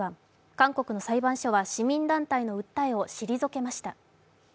韓国の裁判所は市民団体の訴えを退けました。